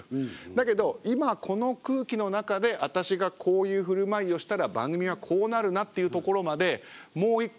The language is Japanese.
だけど今この空気の中で私がこういうふるまいをしたら番組はこうなるなっていうところまでもう一個